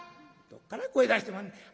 「どっから声出してまんねん」。